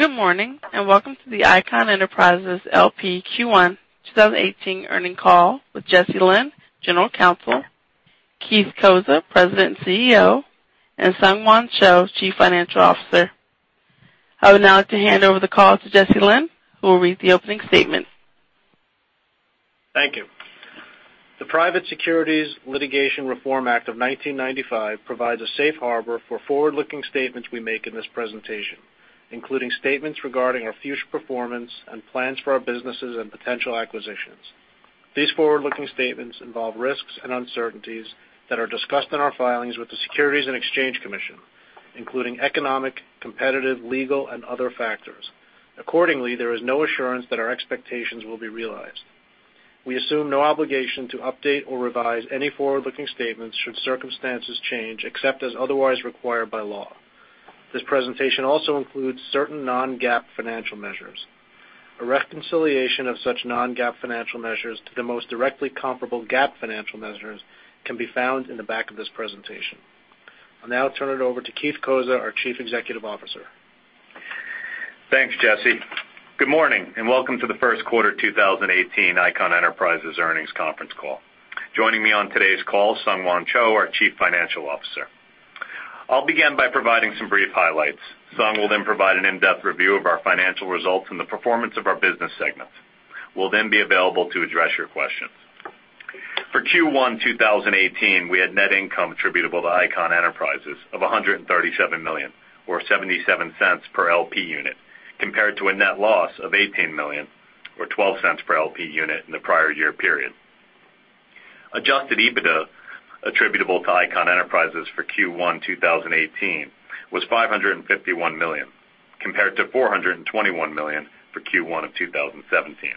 Good morning, welcome to the Icahn Enterprises L.P. Q1 2018 earnings call with Jesse Lynn, General Counsel, Keith Cozza, President and CEO, and SungHwan Cho, Chief Financial Officer. I would now like to hand over the call to Jesse Lynn, who will read the opening statement. Thank you. The Private Securities Litigation Reform Act of 1995 provides a safe harbor for forward-looking statements we make in this presentation, including statements regarding our future performance and plans for our businesses and potential acquisitions. These forward-looking statements involve risks and uncertainties that are discussed in our filings with the Securities and Exchange Commission, including economic, competitive, legal, and other factors. Accordingly, there is no assurance that our expectations will be realized. We assume no obligation to update or revise any forward-looking statements should circumstances change, except as otherwise required by law. This presentation also includes certain non-GAAP financial measures. A reconciliation of such non-GAAP financial measures to the most directly comparable GAAP financial measures can be found in the back of this presentation. I'll now turn it over to Keith Cozza, our Chief Executive Officer. Thanks, Jesse. Good morning, welcome to the first quarter 2018 Icahn Enterprises Earnings Conference Call. Joining me on today's call, SungHwan Cho, our Chief Financial Officer. I'll begin by providing some brief highlights. Sung will provide an in-depth review of our financial results and the performance of our business segments. We'll be available to address your questions. For Q1 2018, we had net income attributable to Icahn Enterprises of $137 million, or $0.77 per LP unit, compared to a net loss of $18 million, or $0.12 per LP unit in the prior year period. Adjusted EBITDA attributable to Icahn Enterprises for Q1 2018 was $551 million, compared to $421 million for Q1 of 2017.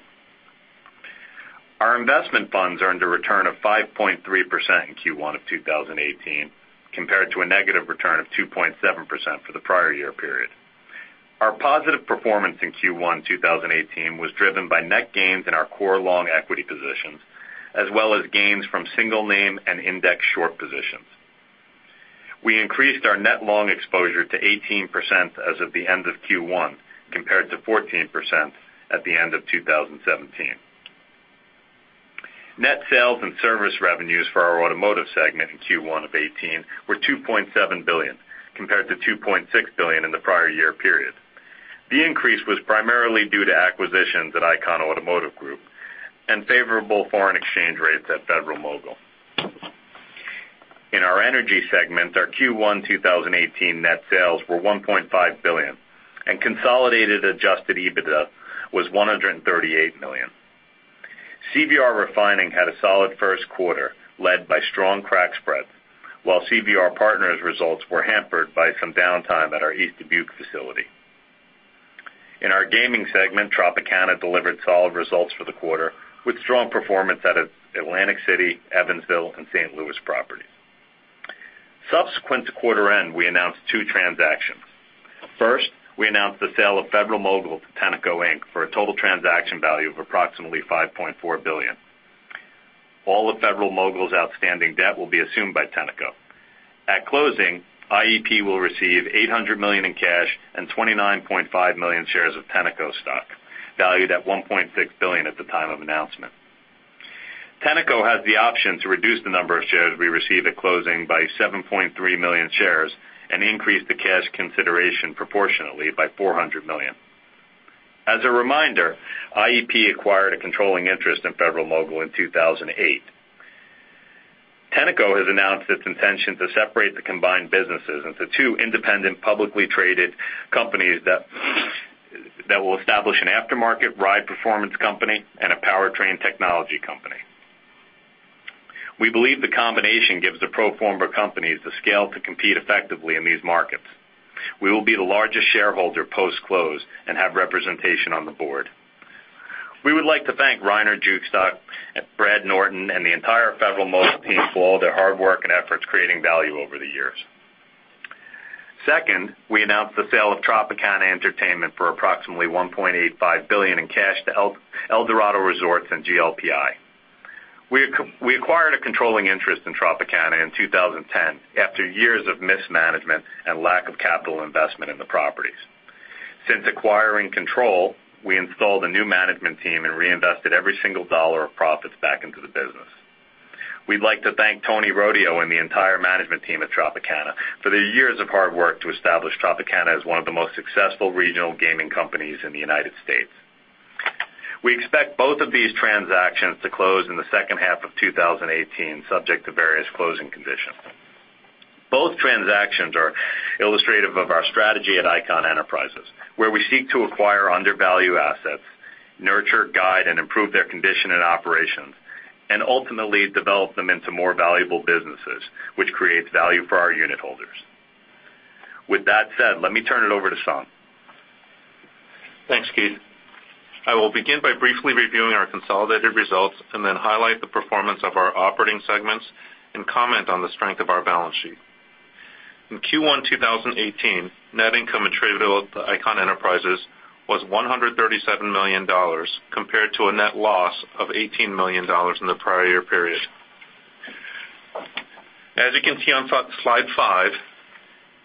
Our investment funds earned a return of 5.3% in Q1 of 2018, compared to a negative return of 2.7% for the prior year period. Our positive performance in Q1 2018 was driven by net gains in our core long equity positions, as well as gains from single name and index short positions. We increased our net long exposure to 18% as of the end of Q1, compared to 14% at the end of 2017. Net sales and service revenues for our Automotive segment in Q1 of '18 were $2.7 billion, compared to $2.6 billion in the prior year period. The increase was primarily due to acquisitions at Icahn Automotive Group and favorable foreign exchange rates at Federal-Mogul. In our Energy segment, our Q1 2018 net sales were $1.5 billion, and consolidated adjusted EBITDA was $138 million. CVR Refining had a solid first quarter, led by strong crack spread, while CVR Partners results were hampered by some downtime at our East Dubuque facility. In our Gaming segment, Tropicana delivered solid results for the quarter with strong performance at its Atlantic City, Evansville, and St. Louis properties. Subsequent to quarter end, we announced two transactions. First, we announced the sale of Federal-Mogul to Tenneco Inc. for a total transaction value of approximately $5.4 billion. All of Federal-Mogul's outstanding debt will be assumed by Tenneco. At closing, IEP will receive $800 million in cash and 29.5 million shares of Tenneco stock, valued at $1.6 billion at the time of announcement. Tenneco has the option to reduce the number of shares we receive at closing by 7.3 million shares and increase the cash consideration proportionately by $400 million. As a reminder, IEP acquired a controlling interest in Federal-Mogul in 2008. Tenneco has announced its intention to separate the combined businesses into two independent, publicly traded companies that will establish an aftermarket ride performance company and a powertrain technology company. We believe the combination gives the pro forma companies the scale to compete effectively in these markets. We will be the largest shareholder post-close and have representation on the board. We would like to thank Rainer Jueckstock, Brad Norton, and the entire Federal-Mogul team for all their hard work and efforts creating value over the years. Second, we announced the sale of Tropicana Entertainment for approximately $1.85 billion in cash to Eldorado Resorts and GLPI. We acquired a controlling interest in Tropicana in 2010 after years of mismanagement and lack of capital investment in the properties. Since acquiring control, we installed a new management team and reinvested every single dollar of profits back into the business. We'd like to thank Tony Rodio and the entire management team at Tropicana for their years of hard work to establish Tropicana as one of the most successful regional gaming companies in the United States. We expect both of these transactions to close in the second half of 2018, subject to various closing conditions. Both transactions are illustrative of our strategy at Icahn Enterprises, where we seek to acquire undervalued assets, nurture, guide, and improve their condition and operations, and ultimately develop them into more valuable businesses, which creates value for our unitholders. With that said, let me turn it over to Sung. Thanks, Keith. I will begin by briefly reviewing our consolidated results and then highlight the performance of our operating segments and comment on the strength of our balance sheet. In Q1 2018, net income attributable to Icahn Enterprises was $137 million, compared to a net loss of $18 million in the prior year period. As you can see on slide five,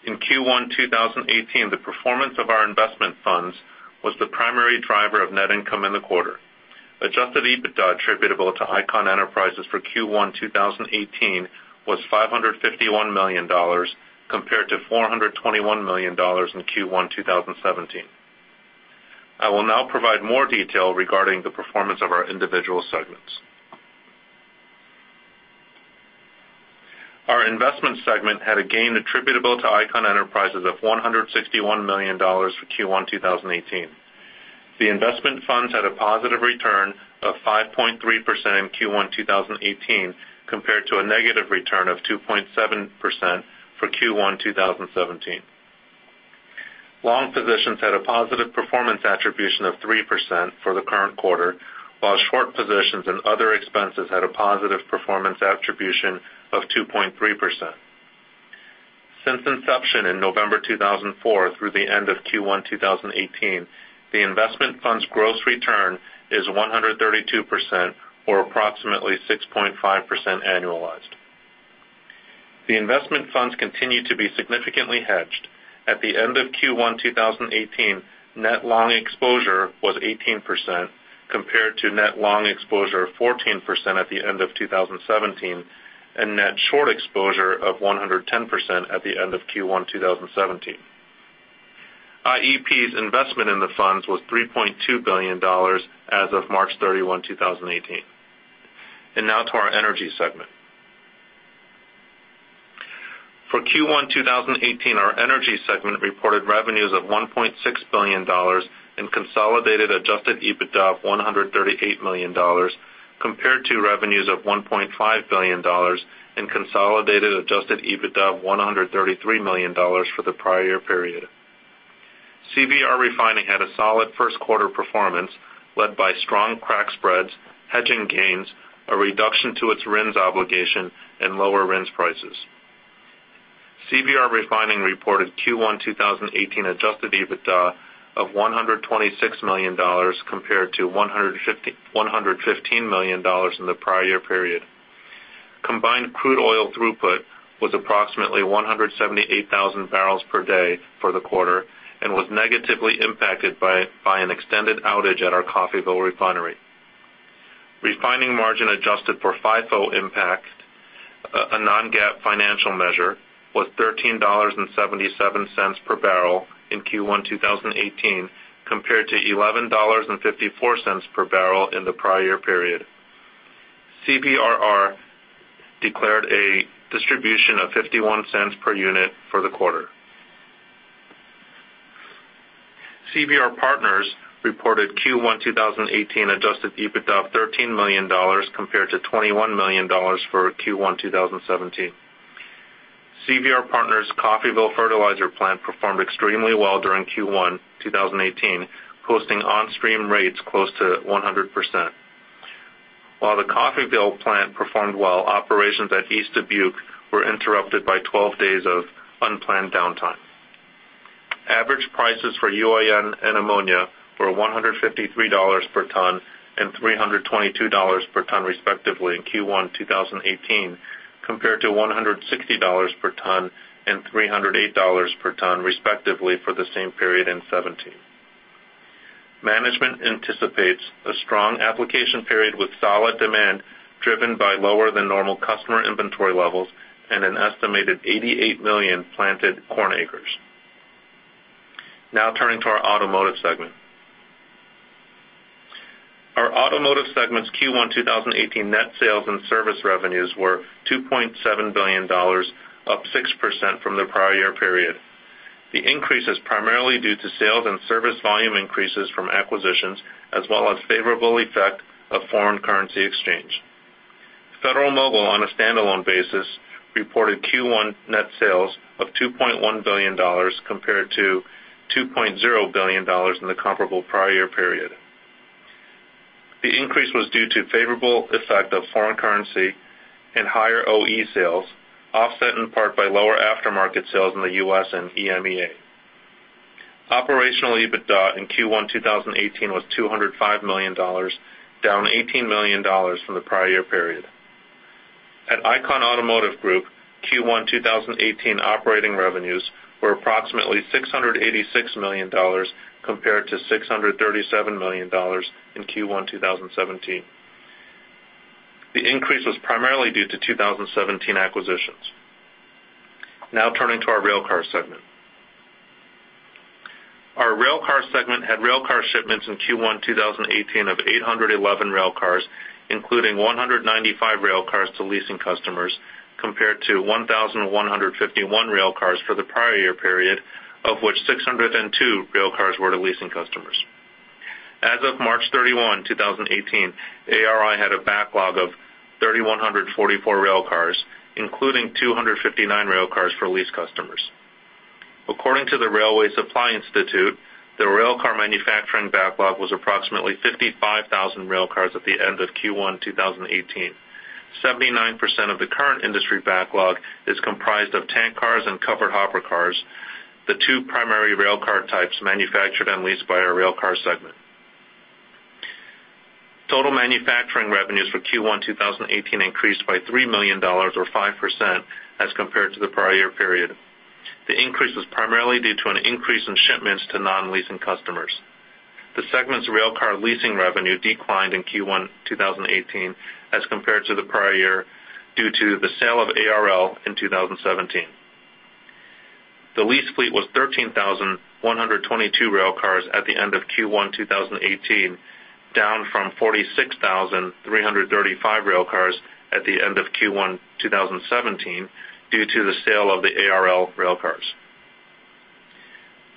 in Q1 2018, the performance of our investment funds was the primary driver of net income in the quarter. Adjusted EBITDA attributable to Icahn Enterprises for Q1 2018 was $551 million compared to $421 million in Q1 2017. I will now provide more detail regarding the performance of our individual segments. Our investment segment had a gain attributable to Icahn Enterprises of $161 million for Q1 2018. The investment funds had a positive return of 5.3% in Q1 2018 compared to a negative return of 2.7% for Q1 2017. Long positions had a positive performance attribution of 3% for the current quarter, while short positions and other expenses had a positive performance attribution of 2.3%. Since inception in November 2004 through the end of Q1 2018, the investment fund's gross return is 132%, or approximately 6.5% annualized. The investment funds continue to be significantly hedged. At the end of Q1 2018, net long exposure was 18%, compared to net long exposure of 14% at the end of 2017, and net short exposure of 110% at the end of Q1 2017. IEP's investment in the funds was $3.2 billion as of March 31, 2018. Now to our energy segment. For Q1 2018, our energy segment reported revenues of $1.6 billion and consolidated adjusted EBITDA of $138 million, compared to revenues of $1.5 billion and consolidated adjusted EBITDA of $133 million for the prior period. CVR Refining had a solid first quarter performance led by strong crack spreads, hedging gains, a reduction to its RINs obligation, and lower RINs prices. CVR Refining reported Q1 2018 adjusted EBITDA of $126 million compared to $115 million in the prior year period. Combined crude oil throughput was approximately 178,000 barrels per day for the quarter and was negatively impacted by an extended outage at our Coffeyville refinery. Refining margin adjusted for FIFO impact, a non-GAAP financial measure, was $13.77 per barrel in Q1 2018 compared to $11.54 per barrel in the prior year period. CVRR declared a distribution of $0.51 per unit for the quarter. CVR Partners reported Q1 2018 adjusted EBITDA of $13 million compared to $21 million for Q1 2017. CVR Partners' Coffeyville fertilizer plant performed extremely well during Q1 2018, posting on-stream rates close to 100%. While the Coffeyville plant performed well, operations at East Dubuque were interrupted by 12 days of unplanned downtime. Average prices for UAN and ammonia were $153 per ton and $322 per ton, respectively, in Q1 2018, compared to $160 per ton and $308 per ton, respectively, for the same period in 2017. Management anticipates a strong application period with solid demand driven by lower than normal customer inventory levels and an estimated 88 million planted corn acres. Now turning to our automotive segment. Our automotive segment's Q1 2018 net sales and service revenues were $2.7 billion, up 6% from the prior year period. The increase is primarily due to sales and service volume increases from acquisitions as well as favorable effect of foreign currency exchange. Federal-Mogul, on a standalone basis, reported Q1 net sales of $2.1 billion compared to $2.0 billion in the comparable prior year period. The increase was due to favorable effect of foreign currency and higher OE sales, offset in part by lower aftermarket sales in the U.S. and EMEA. Operational EBITDA in Q1 2018 was $205 million, down $18 million from the prior year period. At Icahn Automotive Group, Q1 2018 operating revenues were approximately $686 million compared to $637 million in Q1 2017. The increase was primarily due to 2017 acquisitions. Turning to our railcar segment. Our railcar segment had railcar shipments in Q1 2018 of 811 railcars, including 195 railcars to leasing customers, compared to 1,151 railcars for the prior year period, of which 602 railcars were to leasing customers. As of March 31, 2018, ARI had a backlog of 3,144 railcars, including 259 railcars for lease customers. According to the Railway Supply Institute, the railcar manufacturing backlog was approximately 55,000 railcars at the end of Q1 2018. 79% of the current industry backlog is comprised of tank cars and covered hopper cars, the two primary railcar types manufactured and leased by our railcar segment. Total manufacturing revenues for Q1 2018 increased by $3 million or 5% as compared to the prior year period. The increase was primarily due to an increase in shipments to non-leasing customers. The segment's railcar leasing revenue declined in Q1 2018 as compared to the prior year, due to the sale of ARL in 2017. The lease fleet was 13,122 railcars at the end of Q1 2018, down from 46,335 railcars at the end of Q1 2017 due to the sale of the ARL railcars.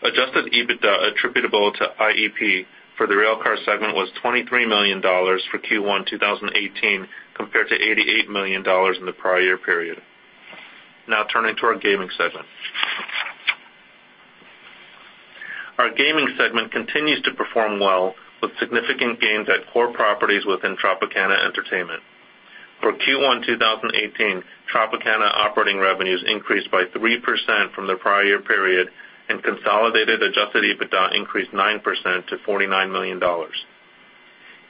Adjusted EBITDA attributable to IEP for the railcar segment was $23 million for Q1 2018, compared to $88 million in the prior year period. Turning to our gaming segment. Our gaming segment continues to perform well, with significant gains at core properties within Tropicana Entertainment. For Q1 2018, Tropicana operating revenues increased by 3% from the prior year period, and consolidated adjusted EBITDA increased 9% to $49 million.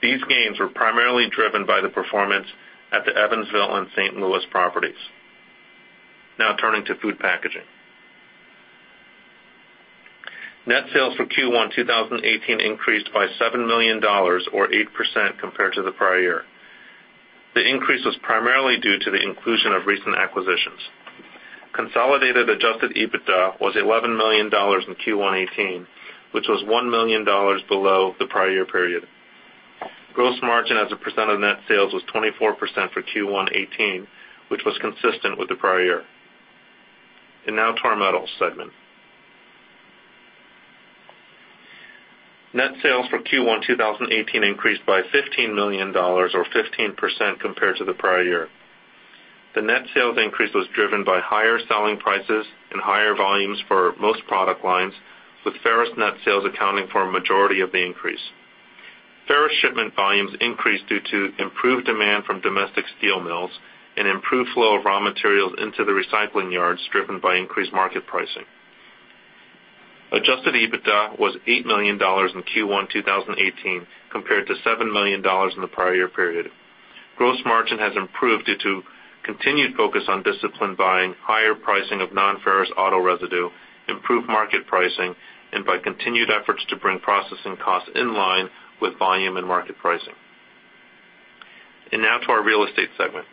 These gains were primarily driven by the performance at the Evansville and St. Louis properties. Turning to food packaging. Net sales for Q1 2018 increased by $7 million or 8% compared to the prior year. The increase was primarily due to the inclusion of recent acquisitions. Consolidated adjusted EBITDA was $11 million in Q1 '18, which was $1 million below the prior year period. Gross margin as a percent of net sales was 24% for Q1 '18, which was consistent with the prior year. To our metals segment. Net sales for Q1 2018 increased by $15 million or 15% compared to the prior year. The net sales increase was driven by higher selling prices and higher volumes for most product lines, with ferrous net sales accounting for a majority of the increase. Ferrous shipment volumes increased due to improved demand from domestic steel mills and improved flow of raw materials into the recycling yards, driven by increased market pricing. Adjusted EBITDA was $8 million in Q1 2018 compared to $7 million in the prior year period. Gross margin has improved due to continued focus on disciplined buying, higher pricing of non-ferrous auto residue, improved market pricing, and by continued efforts to bring processing costs in line with volume and market pricing. To our real estate segment.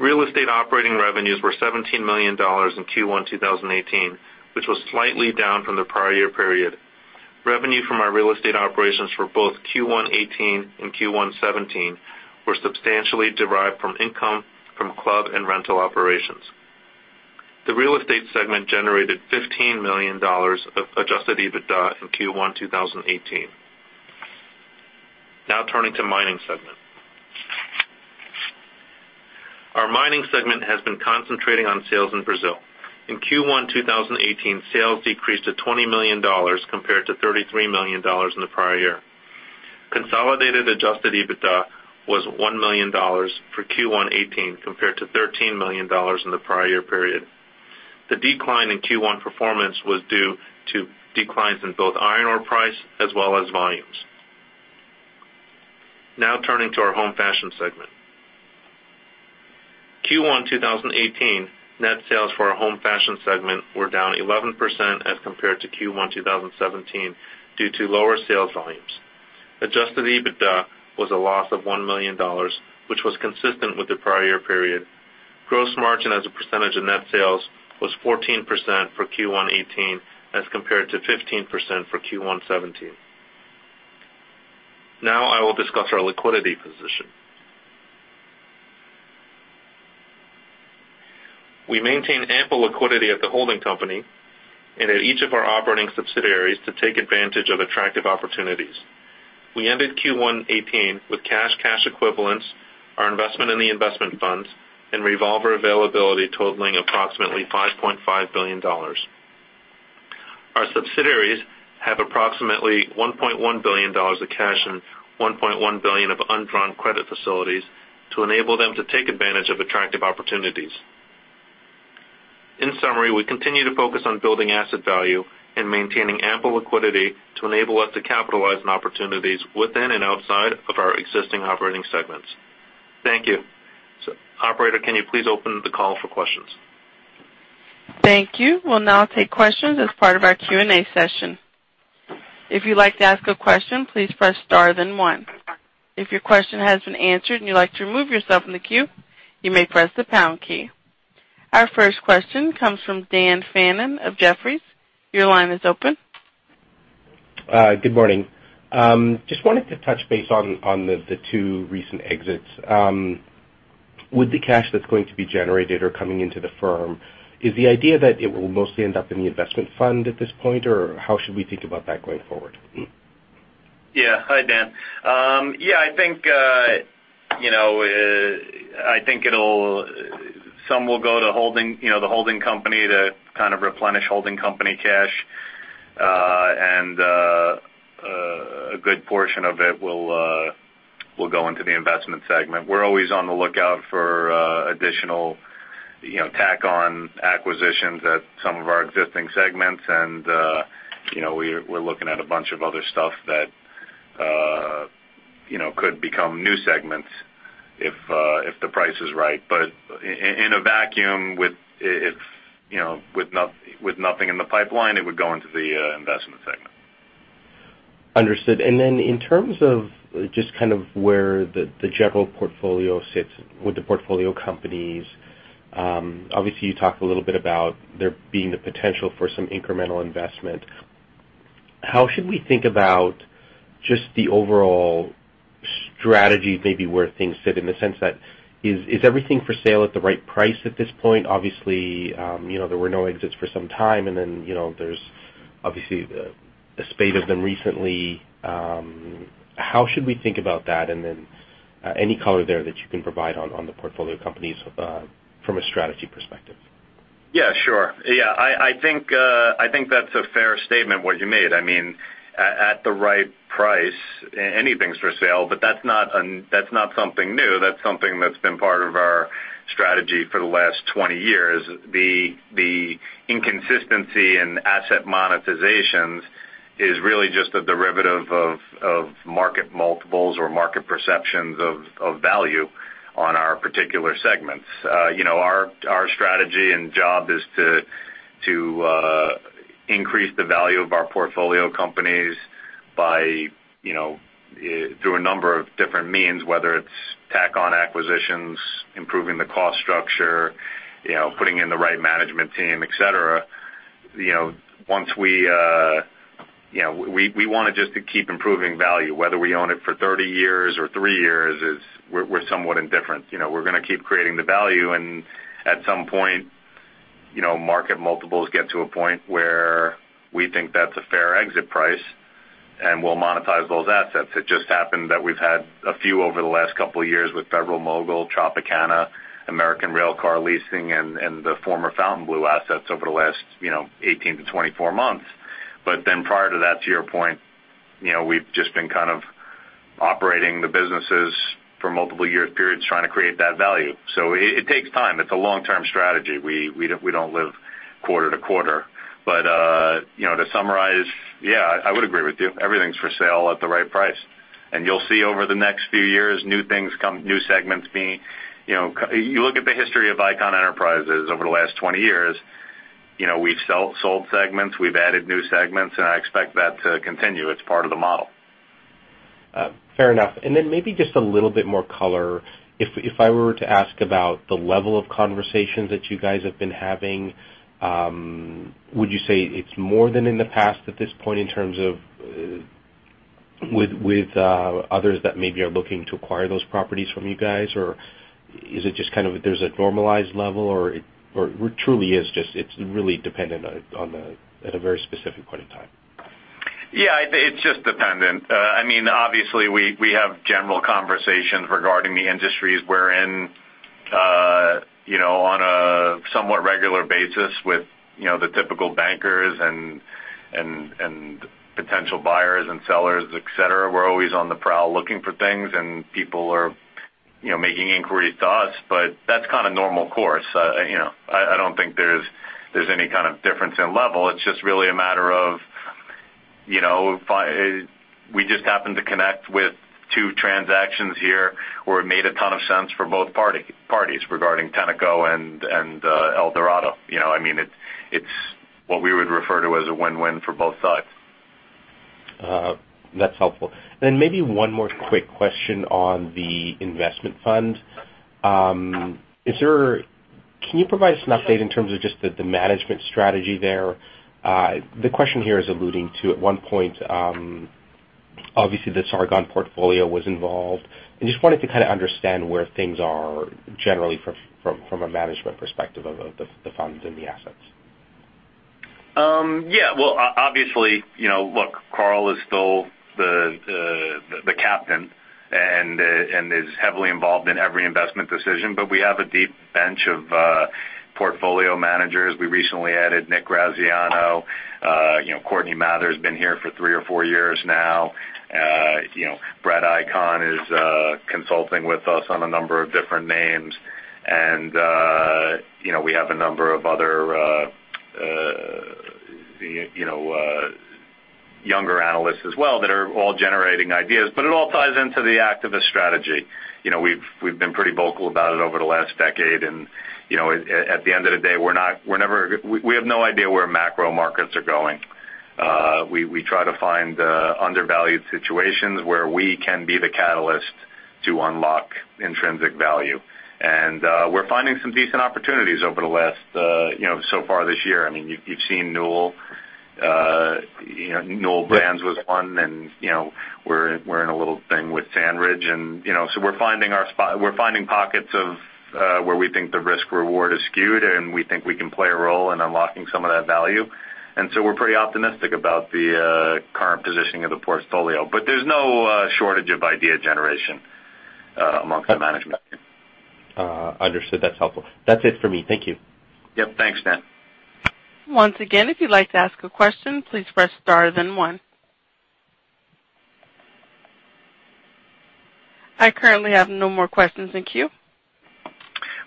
Real estate operating revenues were $17 million in Q1 2018, which was slightly down from the prior year period. Revenue from our real estate operations for both Q1 '18 and Q1 '17 were substantially derived from income from club and rental operations. The real estate segment generated $15 million of adjusted EBITDA in Q1 2018. Turning to mining segment. Our mining segment has been concentrating on sales in Brazil. In Q1 2018, sales decreased to $20 million compared to $33 million in the prior year. Consolidated adjusted EBITDA was $1 million for Q1 '18 compared to $13 million in the prior year period. The decline in Q1 performance was due to declines in both iron ore price as well as volumes. Turning to our home fashion segment. Q1 2018, net sales for our home fashion segment were down 11% as compared to Q1 2017 due to lower sales volumes. Adjusted EBITDA was a loss of $1 million, which was consistent with the prior year period. Gross margin as a percentage of net sales was 14% for Q1 '18 as compared to 15% for Q1 '17. I will discuss our liquidity position. We maintain ample liquidity at the holding company and at each of our operating subsidiaries to take advantage of attractive opportunities. We ended Q1 '18 with cash equivalents, our investment in the investment funds, and revolver availability totaling approximately $5.5 billion. Our subsidiaries have approximately $1.1 billion of cash and $1.1 billion of undrawn credit facilities to enable them to take advantage of attractive opportunities. In summary, we continue to focus on building asset value and maintaining ample liquidity to enable us to capitalize on opportunities within and outside of our existing operating segments. Thank you. Operator, can you please open the call for questions? Thank you. We'll now take questions as part of our Q&A session. If you'd like to ask a question, please press star then one. If your question has been answered and you'd like to remove yourself from the queue, you may press the pound key. Our first question comes from Daniel Fannon of Jefferies. Your line is open. Good morning. Just wanted to touch base on the two recent exits. With the cash that's going to be generated or coming into the firm, is the idea that it will mostly end up in the investment fund at this point, or how should we think about that going forward? Yeah. Hi, Dan. Yeah, I think some will go to the holding company to kind of replenish holding company cash, and a good portion of it will Will go into the investment segment. We're always on the lookout for additional tack on acquisitions at some of our existing segments. We're looking at a bunch of other stuff that could become new segments if the price is right. In a vacuum with nothing in the pipeline, it would go into the investment segment. Understood. Then in terms of just where the general portfolio sits with the portfolio companies, obviously, you talked a little bit about there being the potential for some incremental investment. How should we think about just the overall strategy, maybe where things sit in the sense that, is everything for sale at the right price at this point? Obviously, there were no exits for some time, there's obviously a spate of them recently. How should we think about that? Then any color there that you can provide on the portfolio companies from a strategy perspective. Yeah, sure. I think that's a fair statement what you made. At the right price, anything's for sale. That's not something new. That's something that's been part of our strategy for the last 20 years. The inconsistency in asset monetizations is really just a derivative of market multiples or market perceptions of value on our particular segments. Our strategy and job is to increase the value of our portfolio companies through a number of different means, whether it's tack on acquisitions, improving the cost structure, putting in the right management team, et cetera. We want to just keep improving value, whether we own it for 30 years or three years, we're somewhat indifferent. We're going to keep creating the value, at some point, market multiples get to a point where we think that's a fair exit price, and we'll monetize those assets. It just happened that we've had a few over the last couple of years with Federal-Mogul, Tropicana, American Railcar Leasing, and the former Fontainebleau assets over the last 18 to 24 months. Prior to that, to your point, we've just been kind of operating the businesses for multiple year periods trying to create that value. It takes time. It's a long-term strategy. We don't live quarter to quarter. To summarize, yeah, I would agree with you. Everything's for sale at the right price. You'll see over the next few years. You look at the history of Icahn Enterprises over the last 20 years, we've sold segments, we've added new segments, and I expect that to continue. It's part of the model. Fair enough. Maybe just a little bit more color. If I were to ask about the level of conversations that you guys have been having, would you say it's more than in the past at this point in terms of with others that maybe are looking to acquire those properties from you guys? Is it just there's a normalized level or it truly is just it's really dependent at a very specific point in time? Yeah, it's just dependent. Obviously, we have general conversations regarding the industries we're in on a somewhat regular basis with the typical bankers and potential buyers and sellers, et cetera. We're always on the prowl looking for things. People are making inquiries to us, that's normal course. I don't think there's any kind of difference in level. It's just really a matter of, we just happened to connect with two transactions here where it made a ton of sense for both parties regarding Tenneco and Eldorado. It's what we would refer to as a win-win for both sides. That's helpful. Maybe one more quick question on the investment fund. Can you provide us an update in terms of just the management strategy there? The question here is alluding to at one point, obviously, the Sargon portfolio was involved. I just wanted to understand where things are generally from a management perspective of the funds and the assets. Yeah. Obviously, look, Carl is still the captain and is heavily involved in every investment decision. We have a deep bench of portfolio managers. We recently added Nick Graziano. Courtney Mather's been here for three or four years now. Brett Icahn is consulting with us on a number of different names. We have a number of other younger analysts as well that are all generating ideas. It all ties into the activist strategy. We've been pretty vocal about it over the last decade. At the end of the day, we have no idea where macro markets are going. We try to find undervalued situations where we can be the catalyst to unlock intrinsic value. We're finding some decent opportunities over the last so far this year. You've seen Newell Brands was one. We're in a little thing with SandRidge. We're finding pockets of where we think the risk reward is skewed. We think we can play a role in unlocking some of that value. We're pretty optimistic about the current positioning of the portfolio. There's no shortage of idea generation amongst the management team. Understood. That's helpful. That's it for me. Thank you. Yep. Thanks, Dan. Once again, if you'd like to ask a question, please press star then one. I currently have no more questions in queue.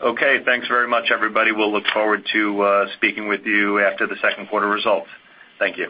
Okay. Thanks very much, everybody. We'll look forward to speaking with you after the second quarter results. Thank you.